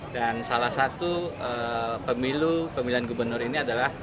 dan salah satu pemilu pemilihan gubernur ini adalah